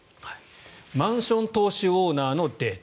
マンション投資オーナーのデータ。